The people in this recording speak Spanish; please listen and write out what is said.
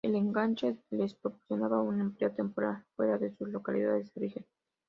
El enganche les proporcionaba un empleo temporal fuera de sus localidades de origen.